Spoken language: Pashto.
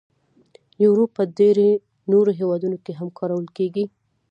یورو په ډیری نورو هیوادونو کې هم کارول کېږي.